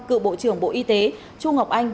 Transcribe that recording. cựu bộ trưởng bộ y tế chu ngọc anh